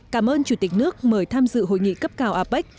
cảm ơn chủ tịch nước mời tham dự hội nghị cấp cao apec